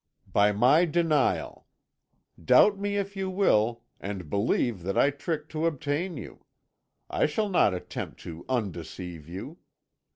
"'By my denial. Doubt me if you will, and believe that I tricked to obtain you. I shall not attempt to undeceive you.